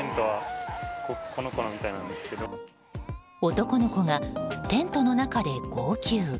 男の子がテントの中で号泣。